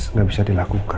nggak bisa dilakukan